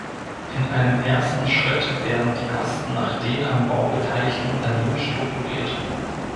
In einem ersten Schritt werden die Kosten nach den am Bau beteiligten Unternehmen strukturiert.